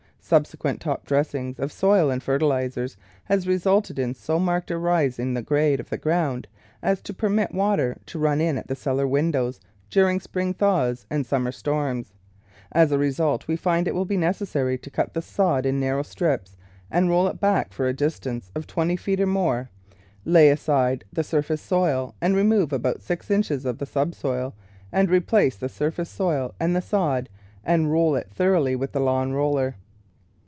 Subsequent top dressings of soil and fertilisers has resulted in THE LOCATION OF THE GARDEN SO marked a rise in the grade of the ground as to permit the water to run in at the cellar windows during spring thaws and summer storms; as a result, we find it will be necessary to cut the sod in narrow strips and roll it back for a distance of twenty feet or more; lay aside the surface soil, and remove about six inches of the subsoil and re place the surface soil and the sod and roll it thor oughly with the lawn roller.